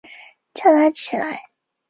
仁寿寺建于清朝乾隆二十六年。